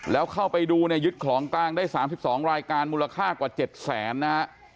แล้วเข้าไปดูเนี่ยยึดของกลางได้๓๒รายการมูลค่ากว่า๗แสนนะฮะ